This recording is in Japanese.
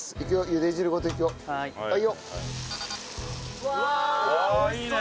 うわ美味しそう！